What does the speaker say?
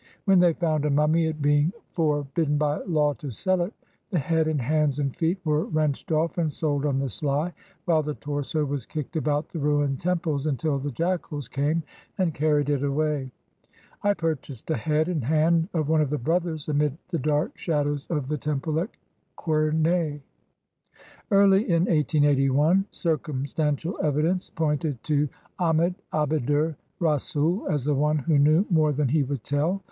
When they found a mummy, it being for bidden by law to sell it, the head and hands and feet were wrenched off and sold on the sly, while the torso was kicked about the ruined temples until the jackals came and carried it away. I purchased a head and hand of one of the brothers amid the dark shadows of the temple at Qurneh. Early in 1881 circumstantial evidence pointed to Ahmed Abd er Rasoul as the one who knew more than he would tell.